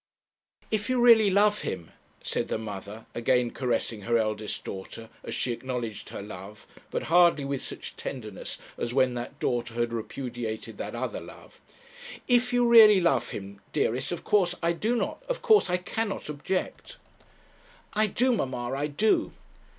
'If you really love him,' said the mother, again caressing her eldest daughter as she acknowledged her love, but hardly with such tenderness as when that daughter had repudiated that other love 'if you really love him, dearest, of course I do not, of course I cannot, object.' 'I do, mamma; I do.'